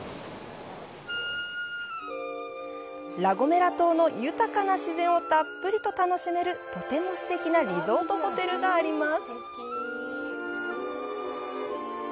ラ・ゴメラ島の豊かな自然をたっぷりと楽しめる、とてもすてきなリゾートホテルがあります。